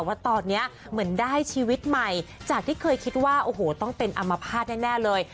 ว่าตอนนี้เหมือนได้ชีวิตใหม่จากที่เคยคิดว่าโอ้โหต้องเป็นอัมพาตแน่เลย